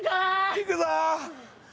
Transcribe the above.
いくぞ！